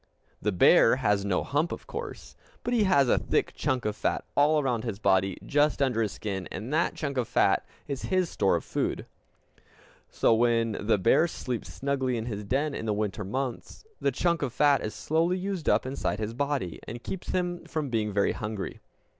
The bear has no hump, of course, but he has a thick chunk of fat all around his body just under his skin; and that chunk of fat is his store of food. So, when the bear sleeps snugly in his den in the winter months, the chunk of fat is slowly used up inside his body, and keeps him from being very hungry.